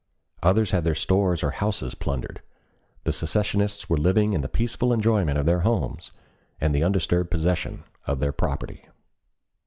Others had their stores or houses plundered. The secessionists were living in the peaceful enjoyment of their homes, and the undisturbed possession of their property.